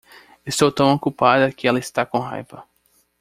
Estou tão ocupada que ela está com raiva.